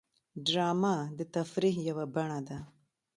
ډرامه د تفریح یوه بڼه ده